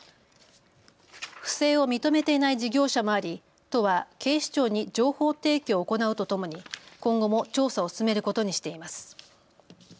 不正を認めていない事業者もあり都は警視庁に情報提供を行うとともに今後も調査を進めることにしています。